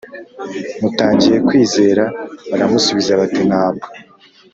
mutangiye kwizera Baramusubiza bati Ntabwo